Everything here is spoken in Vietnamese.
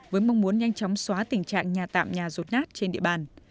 với mong muốn nhanh chóng xóa tình trạng nhà tạm nhà rột nát trên địa bàn